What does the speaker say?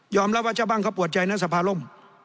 ยอมแล้วว่าชาวบ้านเขาปวดใจนะสภาล้ม